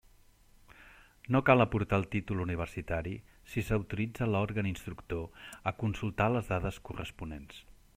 No cal aportar el títol universitari si s'autoritza l'òrgan instructor a consultar les dades corresponents.